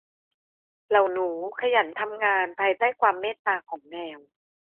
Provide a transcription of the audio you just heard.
เหล่าหนูขยันทำงานภายใต้ความเมตตาของแมว